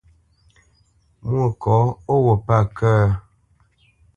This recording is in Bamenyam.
Mwôkɔ̌, ó wut pə̂ kə̂?